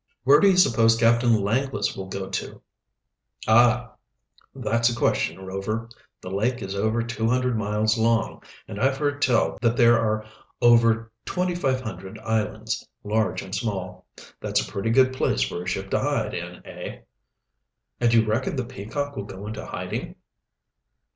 "Where do you suppose Captain Langless will go to?" "Ah, that's a question, Rover. The lake is over two hundred miles long, and I've heard tell that there are over twenty five hundred islands, large and small. That's a pretty good place for a ship to hide in, eh?" "And you reckon the Peacock will go into hiding?"